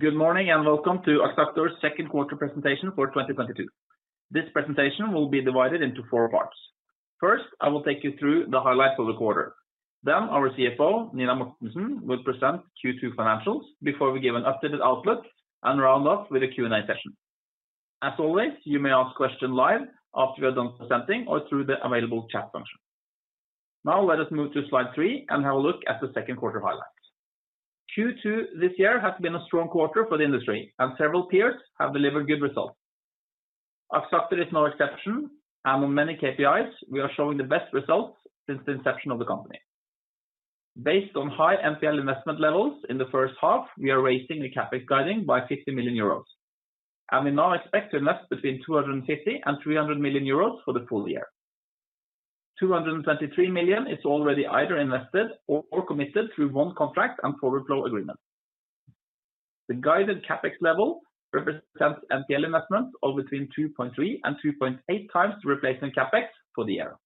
Good morning and welcome to Axactor's second quarter presentation for 2022. This presentation will be divided into four parts. First, I will take you through the highlights of the quarter. Then our CFO, Nina Mortensen, will present Q2 financials before we give an updated outlook and round off with a Q&A session. As always, you may ask questions live after we are done presenting or through the available chat function. Now let us move to slide three and have a look at the second quarter highlights. Q2 this year has been a strong quarter for the industry, and several peers have delivered good results. Axactor is no exception, and on many KPIs, we are showing the best results since the inception of the company. Based on high NPL investment levels in the first half, we are raising the CapEx guiding by 50 million euros, and we now expect to invest between 250 and 300 million euros for the full year. 223 million is already either invested or committed through one contract and forward flow agreement. The guided CapEx level represents NPL investments of between 2.3 and 2.8 times the replacement CapEx for the year.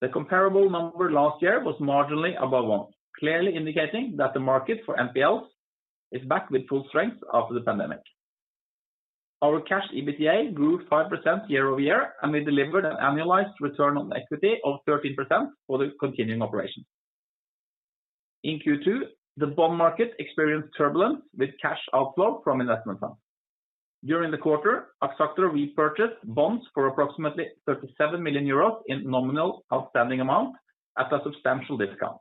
The comparable number last year was marginally above one, clearly indicating that the market for NPLs is back with full strength after the pandemic. Our cash EBITDA grew 5% year-over-year, and we delivered an annualized return on equity of 13% for the continuing operations. In Q2, the bond market experienced turbulence with cash outflow from investment funds. During the quarter, Axactor repurchased bonds for approximately 37 million euros in nominal outstanding amount at a substantial discount.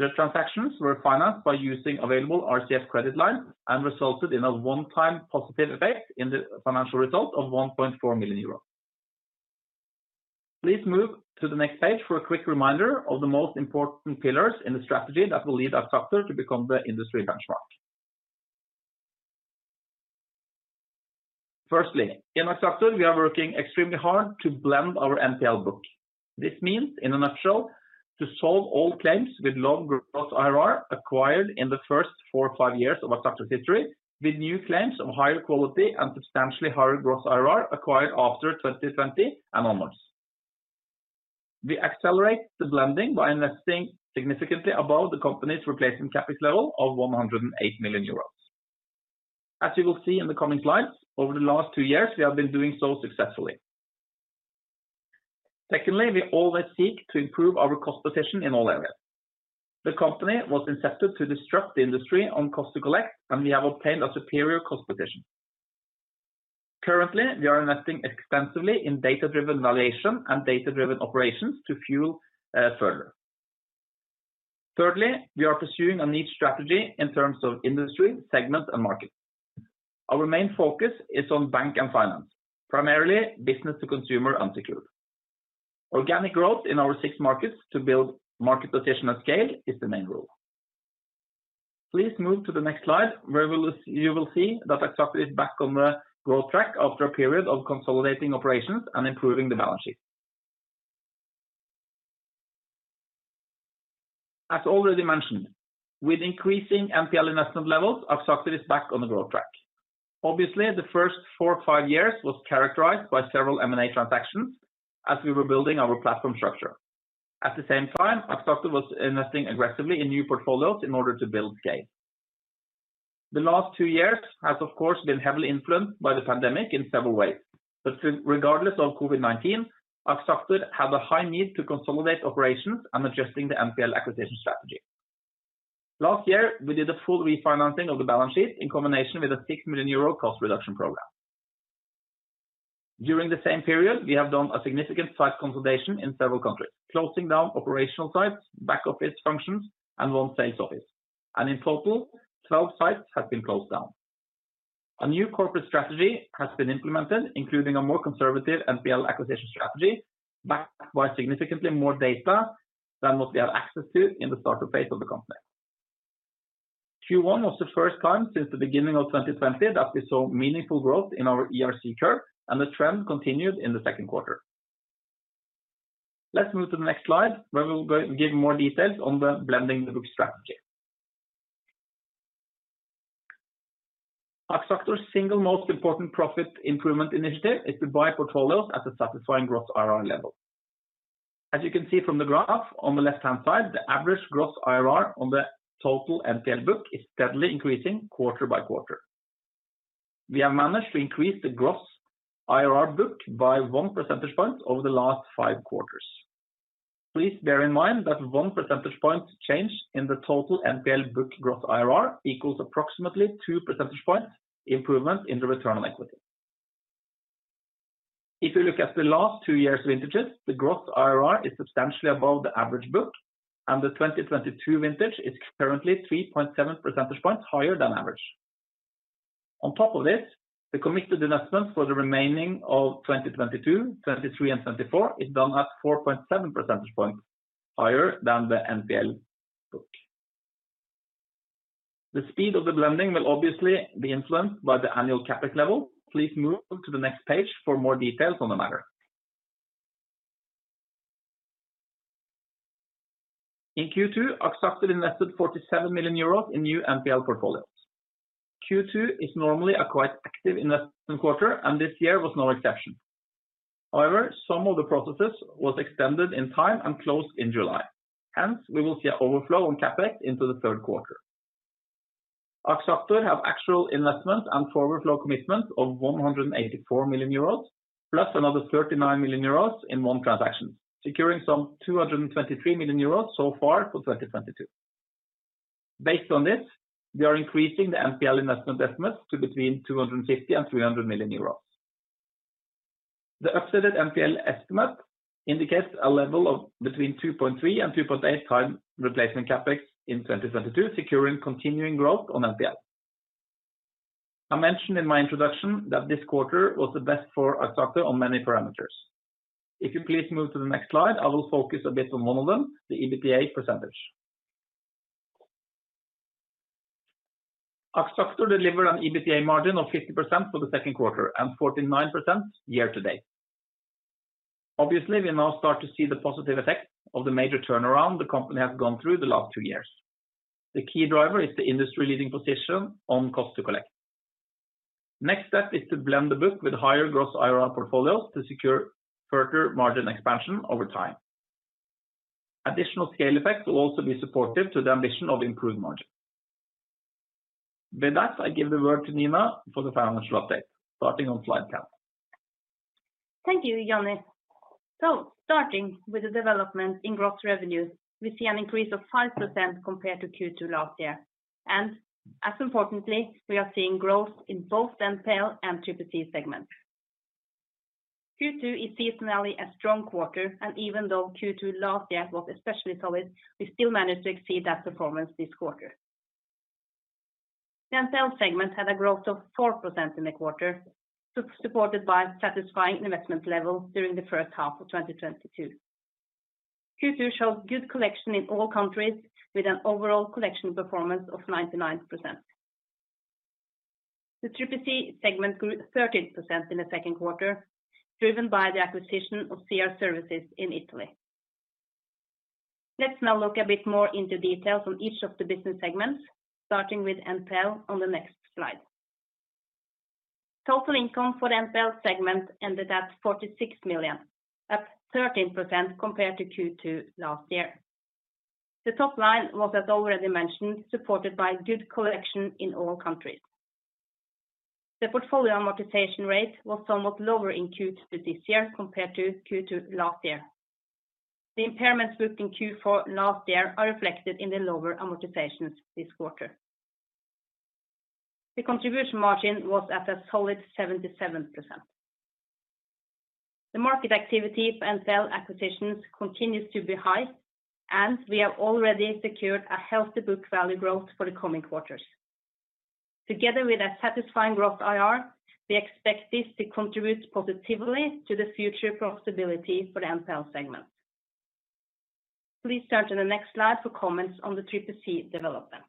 The transactions were financed by using available RCF credit lines and resulted in a one-time positive effect in the financial result of 1.4 million euros. Please move to the next page for a quick reminder of the most important pillars in the strategy that will lead Axactor to become the industry benchmark. Firstly, in Axactor, we are working extremely hard to blend our NPL book. This means, in a nutshell, to solve all claims with low gross IRR acquired in the first four or five years of Axactor's history with new claims of higher quality and substantially higher gross IRR acquired after 2020 and onwards. We accelerate the blending by investing significantly above the company's replacement capex level of 108 million euros. As you will see in the coming slides, over the last two years, we have been doing so successfully. Secondly, we always seek to improve our cost position in all areas. The company was incepted to disrupt the industry on cost to collect, and we have obtained a superior cost position. Currently, we are investing extensively in data-driven valuation and data-driven operations to fuel further. Thirdly, we are pursuing a niche strategy in terms of industry, segment, and market. Our main focus is on bank and finance, primarily business to consumer and security. Organic growth in our six markets to build market position at scale is the main rule. Please move to the next slide where you will see that Axactor is back on the growth track after a period of consolidating operations and improving the balance sheet. As already mentioned, with increasing NPL investment levels, Axactor is back on the growth track. Obviously, the first four or five years was characterized by several M&A transactions as we were building our platform structure. At the same time, Axactor was investing aggressively in new portfolios in order to build scale. The last two years have, of course, been heavily influenced by the pandemic in several ways. But regardless of COVID-19, Axactor had a high need to consolidate operations and adjusting the NPL acquisition strategy. Last year, we did a full refinancing of the balance sheet in combination with a 6 million euro cost reduction program. During the same period, we have done a significant site consolidation in several countries, closing down operational sites, back office functions, and one sales office. In total, twelve sites have been closed down. A new corporate strategy has been implemented, including a more conservative NPL acquisition strategy backed by significantly more data than what we had access to in the start-up phase of the company. Q1 was the first time since the beginning of 2020 that we saw meaningful growth in our ERC curve, and the trend continued in the second quarter. Let's move to the next slide where we will give more details on the building the book strategy. Axactor's single most important profit improvement initiative is to buy portfolios at a satisfying gross IRR level. As you can see from the graph on the left-hand side, the average gross IRR on the total NPL book is steadily increasing quarter by quarter. We have managed to increase the gross IRR book by 1 percentage point over the last five quarters Please bear in mind that one percentage point change in the total NPL book Gross IRR equals approximately two percentage points improvement in the return on equity. If you look at the last two years' vintages, the Gross IRR is substantially above the average book, and the 2022 vintage is currently 3.7 percentage points higher than average. On top of this, the committed investments for the remaining of 2022, 2023, and 2024 is done at 4.7 percentage points higher than the NPL book. The speed of the blending will obviously be influenced by the annual CapEx level. Please move to the next page for more details on the matter. In Q2, Axactor invested 47 million euros in new NPL portfolios. Q2 is normally a quite active investment quarter, and this year was no exception. However, some of the processes were extended in time and closed in July. Hence, we will see an overflow on CapEx into the third quarter. Axactor has actual investments and forward flow commitments of 184 million euros, plus another 39 million euros in one transaction, securing some 223 million euros so far for 2022. Based on this, we are increasing the NPL investment estimates to between 250 and 300 million euros. The updated NPL estimate indicates a level of between 2.3 and 2.8 times replacement CapEx in 2022, securing continuing growth on NPL. I mentioned in my introduction that this quarter was the best for Axactor on many parameters. If you please move to the next slide, I will focus a bit on one of them, the EBITDA percentage. Axactor delivered an EBITDA margin of 50% for the second quarter and 49% year to date. Obviously, we now start to see the positive effect of the major turnaround the company has gone through the last two years. The key driver is the industry-leading position on cost to collect. Next step is to blend the book with higher Gross IRR portfolios to secure further margin expansion over time. Additional scale effects will also be supportive to the ambition of improved margin. With that, I give the word to Nina for the financial update, starting on slide ten. Thank you, Johnny. Starting with the development in gross revenue, we see an increase of 5% compared to Q2 last year. As importantly, we are seeing growth in both NPL and CCC segments. Q2 is seasonally a strong quarter, and even though Q2 last year was especially solid, we still managed to exceed that performance this quarter. The NPL segment had a growth of 4% in the quarter, supported by satisfactory investment level during the first half of 2022. Q2 showed good collection in all countries with an overall collection performance of 99%. The CCC segment grew 13% in the second quarter, driven by the acquisition of C.R. Service in Italy. Let's now look a bit more into details on each of the business segments, starting with NPL on the next slide. Total income for the NPL segment ended at 46 million, up 13% compared to Q2 last year. The top line was, as already mentioned, supported by good collection in all countries. The portfolio amortization rate was somewhat lower in Q2 this year compared to Q2 last year. The impairments booked in Q4 last year are reflected in the lower amortizations this quarter. The contribution margin was at a solid 77%. The market activity for NPL acquisitions continues to be high, and we have already secured a healthy book value growth for the coming quarters. Together with a satisfying Gross IRR, we expect this to contribute positively to the future profitability for the NPL segment. Please turn to the next slide for comments on the CCC development.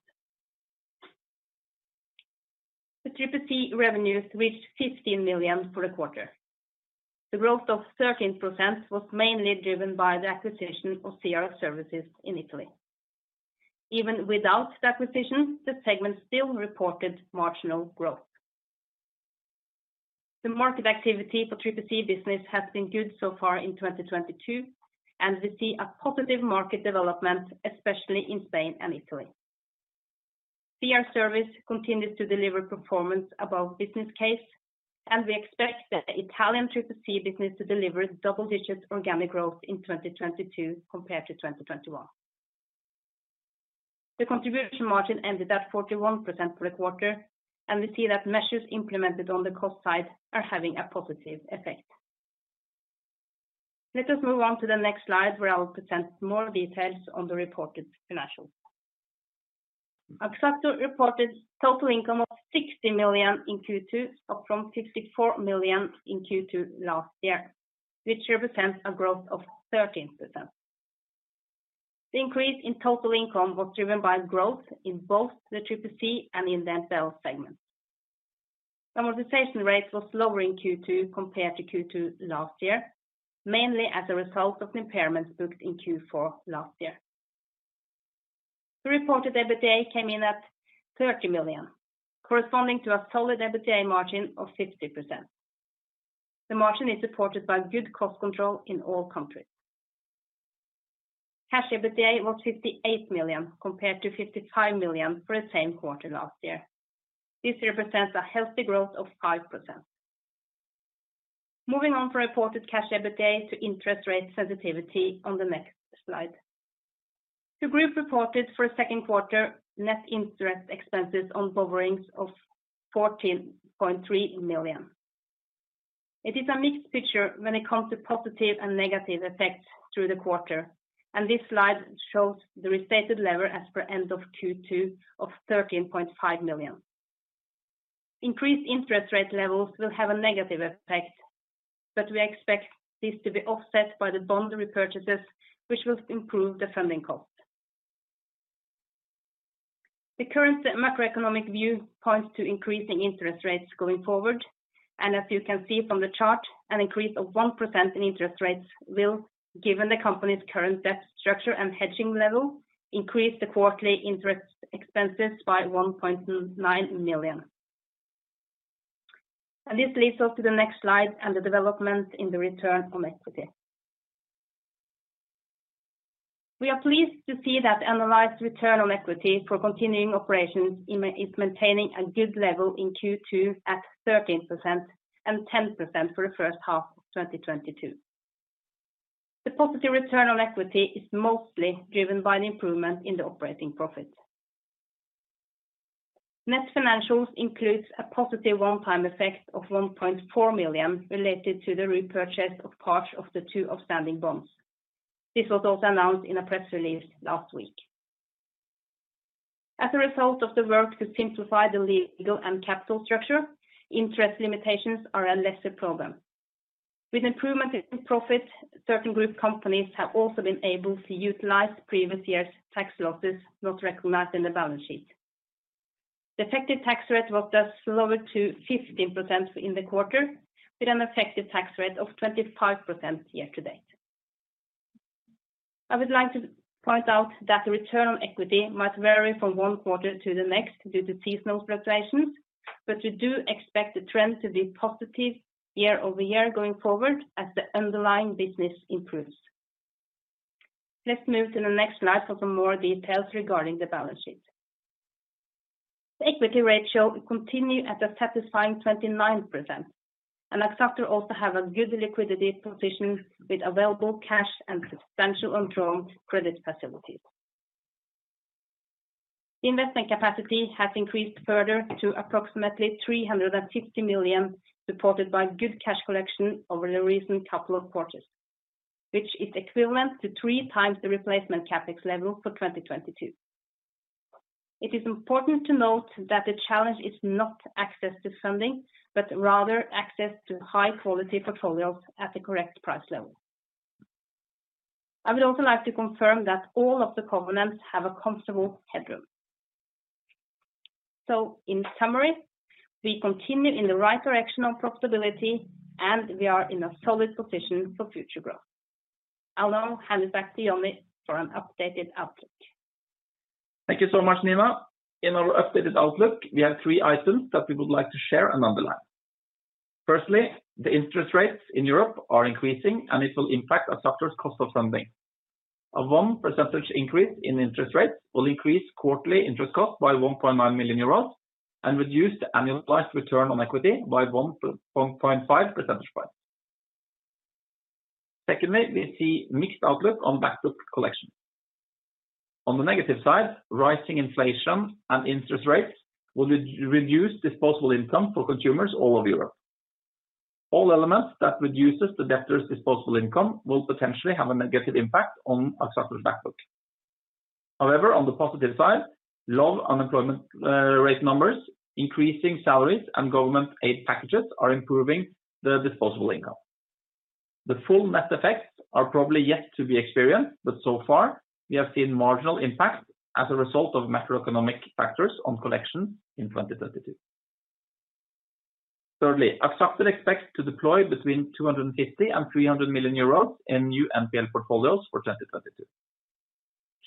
The CCC revenues reached 15 million for the quarter. The growth of 13% was mainly driven by the acquisition of C.R. Service in Italy. Even without the acquisition, the segment still reported marginal growth. The market activity for CCC business has been good so far in 2022, and we see a positive market development, especially in Spain and Italy. C.R. Service continues to deliver performance above business case, and we expect the Italian CCC business to deliver double-digit organic growth in 2022 compared to 2021. The contribution margin ended at 41% for the quarter, and we see that measures implemented on the cost side are having a positive effect. Let us move on to the next slide where I will present more details on the reported financials. Axactor reported total income of 60 million in Q2, up from 54 million in Q2 last year, which represents a growth of 13%. The increase in total income was driven by growth in both the CCC and in the NPL segments. Amortization rate was lower in Q2 compared to Q2 last year, mainly as a result of impairments booked in Q4 last year. The reported EBITDA came in at 30 million, corresponding to a solid EBITDA margin of 50%. The margin is supported by good cost control in all countries. Cash EBITDA was 58 million compared to 55 million for the same quarter last year. This represents a healthy growth of 5%. Moving on from reported cash EBITDA to interest rate sensitivity on the next slide. The group reported for the second quarter net interest expenses on borrowings of 14.3 million. It is a mixed picture when it comes to positive and negative effects through the quarter, and this slide shows the restated leverage as per end of Q2 of 13.5 million. Increased interest rate levels will have a negative effect, but we expect this to be offset by the bond repurchases, which will improve the funding cost. The current macroeconomic view points to increasing interest rates going forward. As you can see from the chart, an increase of 1% in interest rates will, given the company's current debt structure and hedging level, increase the quarterly interest expenses by 1.9 million. This leads us to the next slide and the development in the return on equity. We are pleased to see that annualized return on equity for continuing operations is maintaining a good level in Q2 at 13% and 10% for the first half of 2022. The positive return on equity is mostly driven by the improvement in the operating profit. Net financials include a positive one-time effect of 1.4 million related to the repurchase of parts of the 2 outstanding bonds. This was also announced in a press release last week. As a result of the work to simplify the legal and capital structure, interest limitations are a lesser problem. With improvement in profit, certain group companies have also been able to utilize previous year's tax losses not recognized in the balance sheet. The effective tax rate was thus lowered to 15% in the quarter, with an effective tax rate of 25% year to date. I would like to point out that the return on equity might vary from one quarter to the next due to seasonal fluctuations, but we do expect the trend to be positive year-over-year going forward as the underlying business improves. Let's move to the next slide for some more details regarding the balance sheet. The equity ratio continues at a satisfying 29%, and Axactor also has a good liquidity position with available cash and substantial undrawn credit facilities. The investment capacity has increased further to approximately 350 million, supported by good cash collection over the recent couple of quarters, which is equivalent to three times the replacement CapEx level for 2022. It is important to note that the challenge is not access to funding, but rather access to high-quality portfolios at the correct price level. I would also like to confirm that all of the covenants have a comfortable headroom. In summary, we continue in the right direction on profitability, and we are in a solid position for future growth. I'll now hand it back to Johnny for an updated outlook. Thank you so much, Nina. In our updated outlook, we have three items that we would like to share and underline. Firstly, the interest rates in Europe are increasing, and it will impact Axactor's cost of funding. A 1 percentage increase in interest rates will increase quarterly interest cost by 1.9 million euros and reduce the annualized return on equity by 1.5 percentage points. Secondly, we see mixed outlook on backbook collection. On the negative side, rising inflation and interest rates will reduce disposable income for consumers all over Europe. All elements that reduce the debtor's disposable income will potentially have a negative impact on Axactor's backbook. However, on the positive side, low unemployment rate numbers, increasing salaries, and government aid packages are improving the disposable income. The full net effects are probably yet to be experienced, but so far, we have seen marginal impacts as a result of macroeconomic factors on collections in 2022. Thirdly, Axactor expects to deploy between 250 million and 300 million euros in new NPL portfolios for 2022.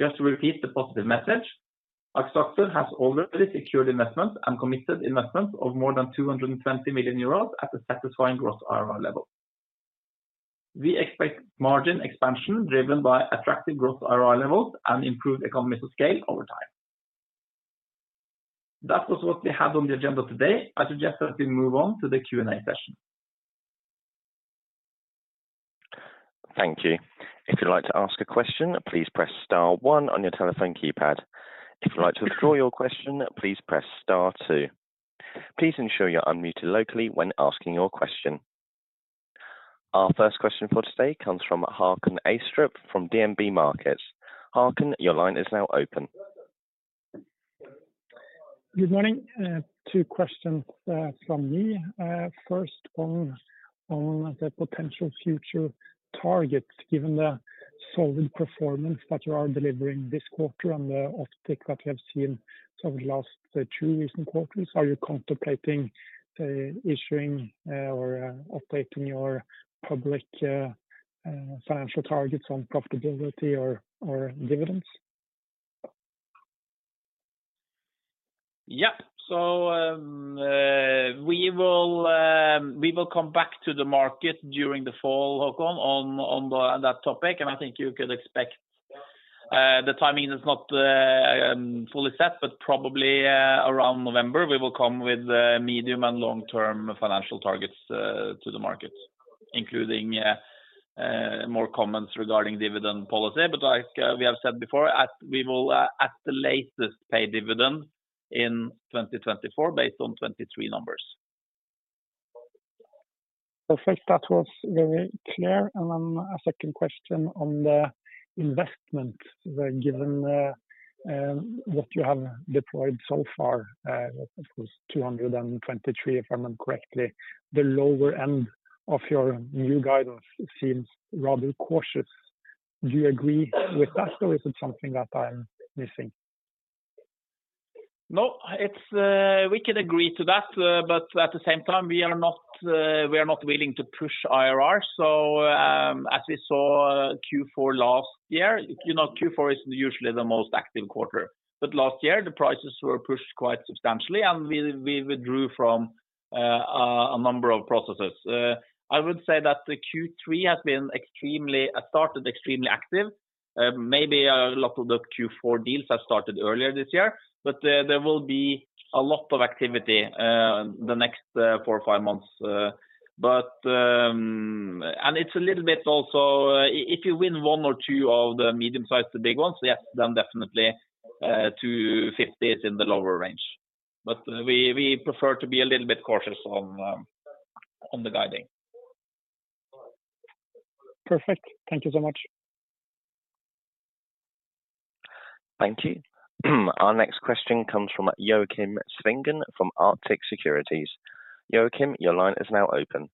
Just to repeat the positive message, Axactor has already secured investments and committed investments of more than 220 million euros at a satisfying gross IRR level. We expect margin expansion driven by attractive gross IRR levels and improved economies of scale over time. That was what we had on the agenda today. I suggest that we move on to the Q&A session. Thank you. If you'd like to ask a question, please press star one on your telephone keypad. If you'd like to withdraw your question, please press star two. Please ensure you're unmuted locally when asking your question. Our first question for today comes from Håkon Astrup from DNB Markets. Håkon, your line is now open. Good morning. Two questions from me. First, on the potential future targets, given the solid performance that you are delivering this quarter and the optics that we have seen over the last two recent quarters, are you contemplating issuing or updating your public financial targets on profitability or dividends? Yep. We will come back to the market during the fall, Håkon, on that topic. I think you could expect the timing is not fully set, but probably around November, we will come with medium and long-term financial targets to the market, including more comments regarding dividend policy. Like we have said before, we will at the latest pay dividends in 2024 based on 2023 numbers. Perfect. That was very clear. A second question on the investment, given what you have deployed so far, of course, 223, if I'm correct, the lower end of your new guidance seems rather cautious. Do you agree with that, or is it something that I'm missing? No, we could agree to that. At the same time, we are not willing to push IRR. As we saw Q4 last year, Q4 is usually the most active quarter. Last year, the prices were pushed quite substantially, and we withdrew from a number of processes. I would say that Q3 has been extremely active. Maybe a lot of the Q4 deals have started earlier this year, but there will be a lot of activity the next four or five months. It's a little bit also if you win one or two of the medium-sized to big ones, yes, then definitely 250 is in the lower range. We prefer to be a little bit cautious on the guidance. Perfect. Thank you so much. Thank you. Our next question comes from Joakim Svingen from Arctic Securities. Joakim, your line is now open.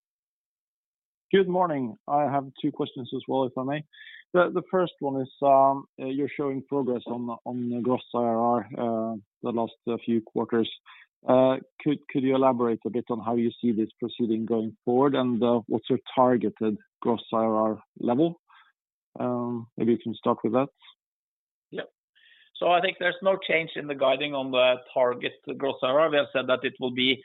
Good morning. I have two questions as well, if I may. The first one is you're showing progress on the Gross IRR the last few quarters. Could you elaborate a bit on how you see this proceeding going forward, and what's your targeted Gross IRR level? Maybe you can start with that. Yep. I think there's no change in the guiding on the target Gross IRR. We have said that it will be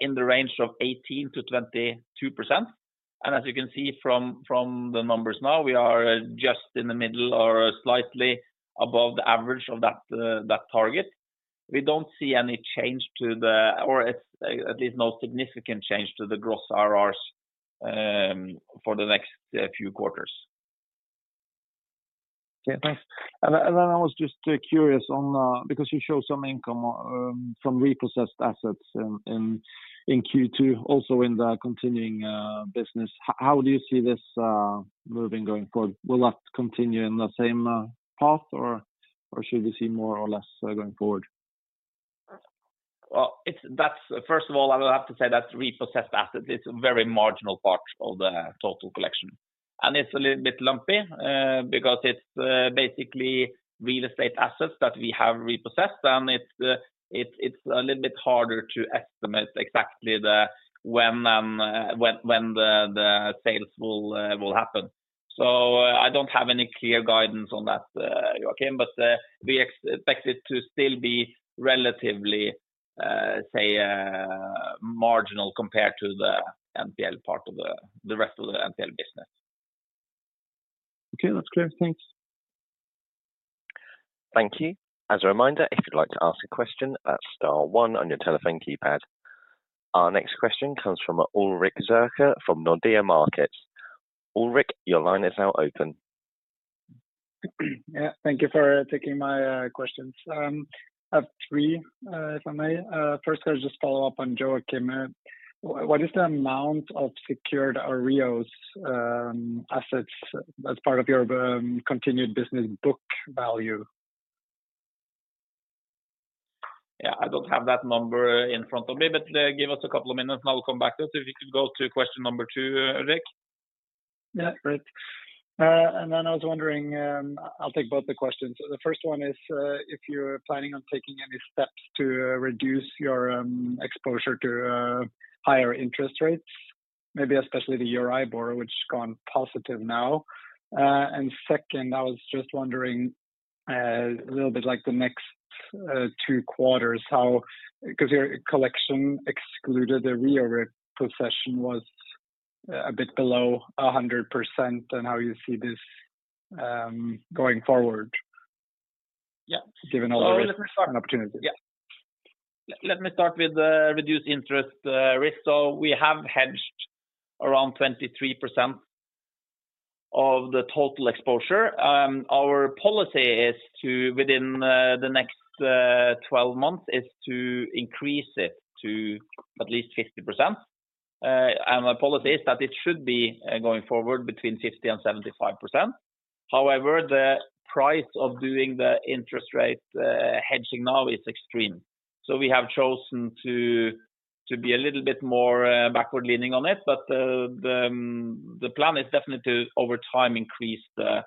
in the range of 18%-22%. As you can see from the numbers now, we are just in the middle or slightly above the average of that target. We don't see any change, at least no significant change, to the Gross IRRs for the next few quarters. Okay. Thanks. I was just curious because you show some income from reprocessed assets in Q2, also in the continuing business. How do you see this moving going forward? Will that continue in the same path, or should we see more or less going forward? Well, first of all, I will have to say that reprocessed assets, it's a very marginal part of the total collection. It's a little bit lumpy because it's basically real estate assets that we have reprocessed, and it's a little bit harder to estimate exactly when the sales will happen. I don't have any clear guidance on that, Joakim, but we expect it to still be relatively, say, marginal compared to the NPL part of the rest of the NPL business. Okay. That's clear. Thanks. Thank you. As a reminder, if you'd like to ask a question, that's star one on your telephone keypad. Our next question comes from Ulrikke Grøneflåt from Nordea Markets. Ulrikke, your line is now open. Yeah. Thank you for taking my questions. I have three, if I may. First, I just follow up on Joakim. What is the amount of secured REOs assets as part of your continued business book value? Yeah. I don't have that number in front of me, but give us a couple of minutes, and I'll come back to it. If you could go to question number two, Ulrikke. Yeah. Great. I was wondering. I'll take both the questions. The first one is if you're planning on taking any steps to reduce your exposure to higher interest rates, maybe especially the EURIBOR, which gone positive now. Second, I was just wondering a little bit like the next two quarters because your collection excluded the REO repossession was a bit below 100% and how you see this going forward, given all the risks and opportunities. Yeah. Let me start with reduced interest risk. We have hedged around 23% of the total exposure. Our policy is to within the next 12 months is to increase it to at least 50%. My policy is that it should be going forward between 50%-75%. However, the price of doing the interest rate hedging now is extreme. We have chosen to be a little bit more backward-leaning on it, but the plan is definitely to over time increase the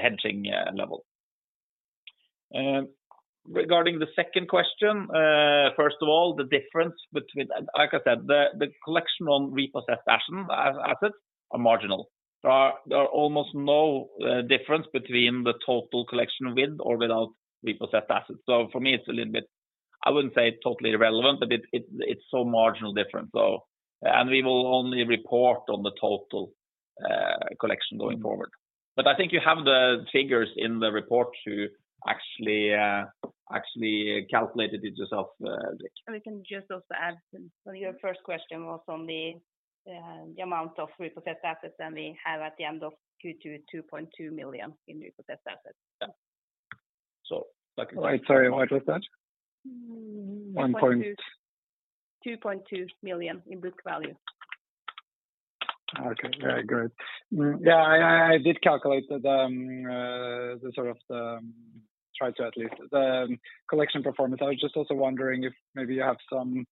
hedging level. Regarding the second question, first of all, the difference between like I said, the collection on repossessed assets are marginal. There are almost no difference between the total collection with or without repossessed assets. For me, it's a little bit I wouldn't say totally irrelevant, but it's so marginal difference, so. We will only report on the total collection going forward. I think you have the figures in the report to actually calculate it yourself, Ulrike. We can just also add to your first question was on the amount of repossessed assets. We have at the end of Q2, 2.2 million in repossessed assets. Yeah. Like I said. Sorry. What was that? 1.2. 2.2 million in book value. Okay. Very good. Yeah. I did calculate the collection performance. I was just also wondering if maybe you have some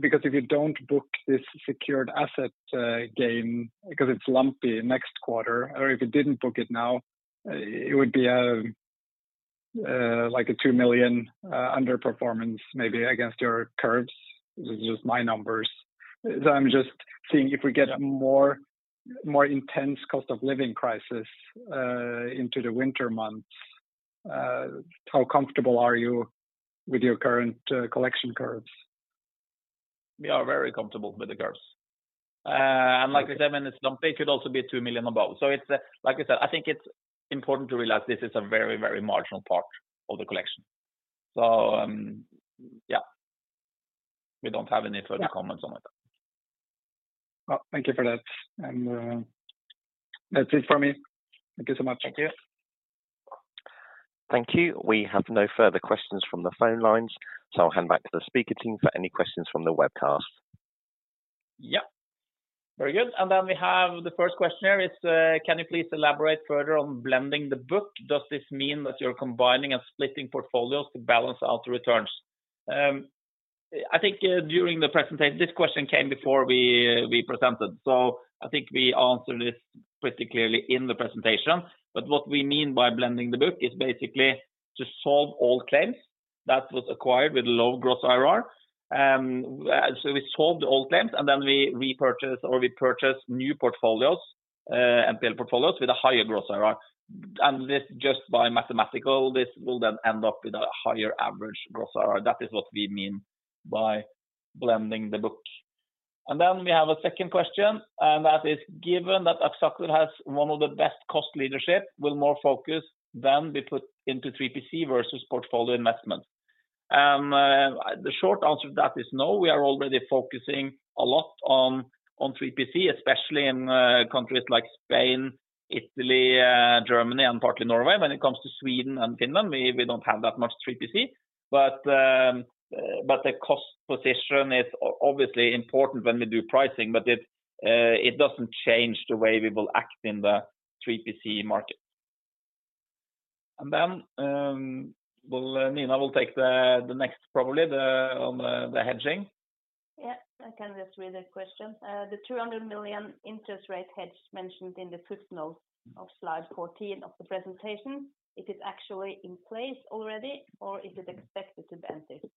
because if you don't book this secured asset gain because it's lumpy next quarter, or if you didn't book it now, it would be like a 2 million underperformance maybe against your curves. This is just my numbers. I'm just seeing if we get a more intense cost of living crisis into the winter months, how comfortable are you with your current collection curves? We are very comfortable with the curves. Like I said, when it's lumpy, it could also be 2 million above. Like I said, I think it's important to realize this is a very, very marginal part of the collection. Yeah, we don't have any further comments on it. Well, thank you for that. That's it for me. Thank you so much. Thank you. Thank you. We have no further questions from the phone lines, so I'll hand back to the speaker team for any questions from the webcast. Yep. Very good. We have the first question here is, can you please elaborate further on blending the book? Does this mean that you're combining and splitting portfolios to balance out the returns? I think during the presentation, this question came before we presented. I think we answered this pretty clearly in the presentation. What we mean by blending the book is basically to solve all claims that was acquired with low gross IRR. We solve the old claims, and then we repurchase or we purchase new portfolios, NPL portfolios with a higher gross IRR. Just by mathematics, this will then end up with a higher average gross IRR. That is what we mean by blending the book. Then we have a second question, and that is, given that Axactor has one of the best cost leadership, will more focus then be put into 3PC versus portfolio investments? The short answer to that is no. We are already focusing a lot on 3PC, especially in countries like Spain, Italy, Germany, and partly Norway. When it comes to Sweden and Finland, we don't have that much 3PC. The cost position is obviously important when we do pricing, but it doesn't change the way we will act in the 3PC market. Nina will take the next probably on the hedging. Yep. I can just read the question. The 200 million interest rate hedge mentioned in the footnotes of slide 14 of the presentation, is it actually in place already, or is it expected to be entered?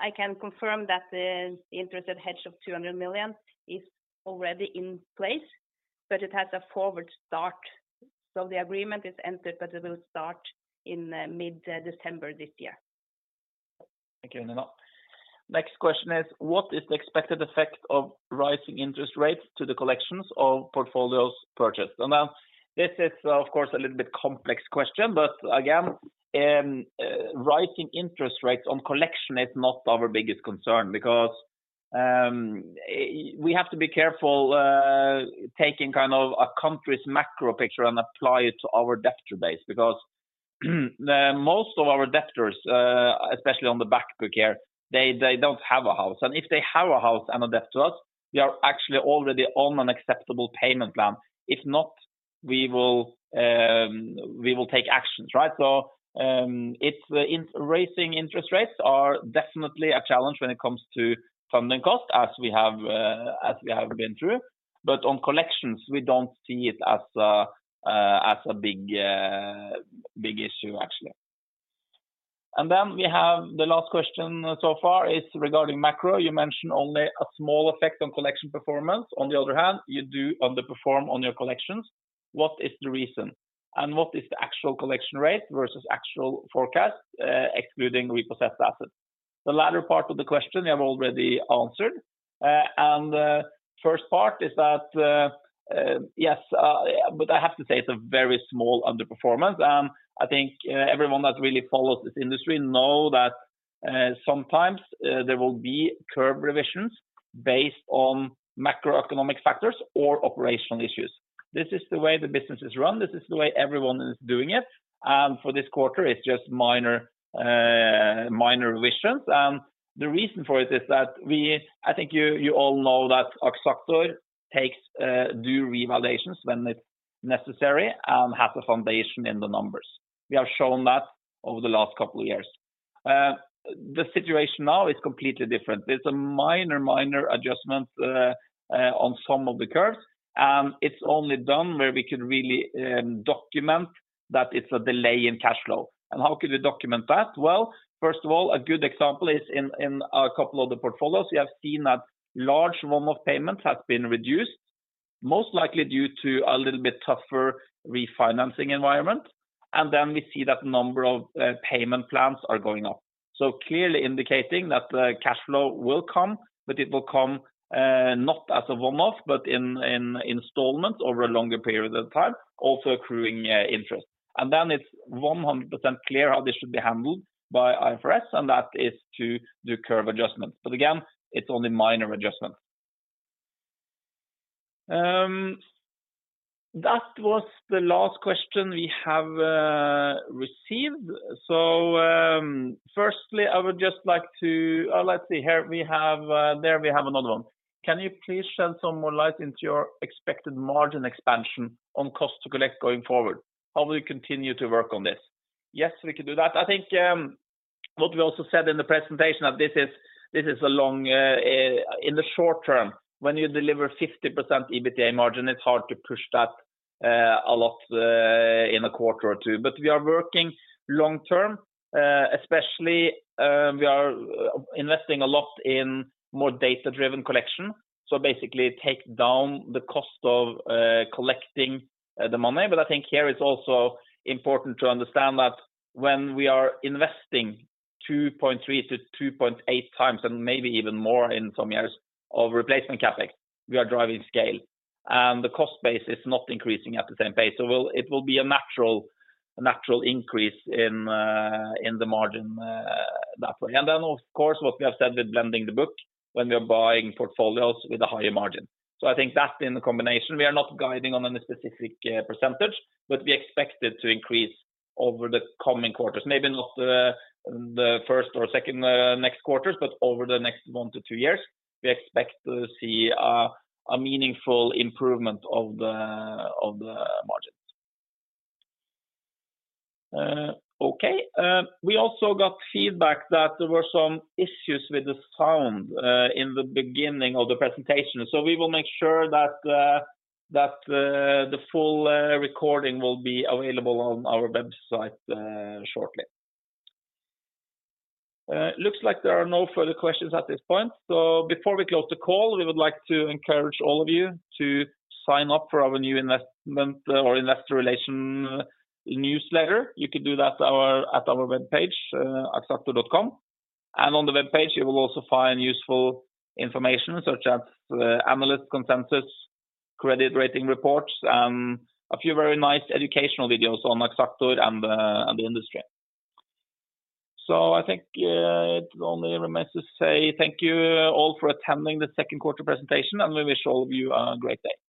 I can confirm that the interest rate hedge of 200 million is already in place, but it has a forward start. The agreement is entered, but it will start in mid-December this year. Thank you, Nina. Next question is, what is the expected effect of rising interest rates to the collections of portfolios purchased? This is, of course, a little bit complex question, but again, rising interest rates on collection is not our biggest concern because we have to be careful taking kind of a country's macro picture and apply it to our debtor base because most of our debtors, especially on the backbook here, they don't have a house. If they have a house and a debt to us, we are actually already on an acceptable payment plan. If not, we will take actions, right? Rising interest rates are definitely a challenge when it comes to funding cost as we have been through. On collections, we don't see it as a big issue, actually. We have the last question so far is regarding macro. You mentioned only a small effect on collection performance. On the other hand, you do underperform on your collections. What is the reason? What is the actual collection rate versus actual forecast, excluding repossessed assets? The latter part of the question, you have already answered. First part is that yes, but I have to say it's a very small underperformance. I think everyone that really follows this industry knows that sometimes there will be curve revisions based on macroeconomic factors or operational issues. This is the way the business is run. This is the way everyone is doing it. For this quarter, it's just minor revisions. The reason for it is that I think you all know that Axactor does revaluations when it's necessary and has a foundation in the numbers. We have shown that over the last couple of years. The situation now is completely different. It's a minor adjustment on some of the curves. It's only done where we could really document that it's a delay in cash flow. How could we document that? Well, first of all, a good example is in a couple of the portfolios. We have seen that large one-off payments have been reduced, most likely due to a little bit tougher refinancing environment. We see that a number of payment plans are going up, so clearly indicating that the cash flow will come, but it will come not as a one-off, but in installments over a longer period of time, also accruing interest. It's 100% clear how this should be handled by IFRS, and that is to do curve adjustments. Again, it's only minor adjustments. That was the last question we have received. Firstly, I would just like to, let's see. There we have another one. Can you please shed some more light into your expected margin expansion on cost to collect going forward? How will you continue to work on this? Yes, we could do that. I think what we also said in the presentation that this is a long in the short term, when you deliver 50% EBITDA margin, it's hard to push that a lot in a quarter or two. We are working long term, especially we are investing a lot in more data-driven collection. Basically, take down the cost of collecting the money. I think here it's also important to understand that when we are investing 2.3-2.8 times and maybe even more in some years of replacement CapEx, we are driving scale. The cost base is not increasing at the same pace. It will be a natural increase in the margin that way. Of course, what we have said with blending the book when we are buying portfolios with a higher margin. I think that's in the combination. We are not guiding on any specific percentage, but we expect it to increase over the coming quarters, maybe not the first or second next quarters, but over the next one to two years, we expect to see a meaningful improvement of the margins. Okay. We also got feedback that there were some issues with the sound in the beginning of the presentation. We will make sure that the full recording will be available on our website shortly. Looks like there are no further questions at this point. Before we close the call, we would like to encourage all of you to sign up for our new investment or investor relation newsletter. You could do that at our web page, axactor.com. On the web page, you will also find useful information such as analyst consensus, credit rating reports, and a few very nice educational videos on Axactor and the industry. I think it only remains to say thank you all for attending the second quarter presentation, and we wish all of you a great day. Bye.